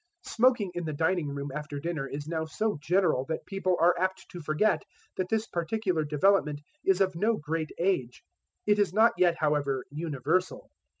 Smoking in the dining room after dinner is now so general that people are apt to forget that this particular development is of no great age. It is not yet, however, universal.